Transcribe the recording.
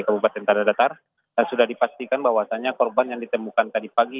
kabupaten tanah datar dan sudah dipastikan bahwasannya korban yang ditemukan tadi pagi